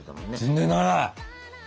全然ならない！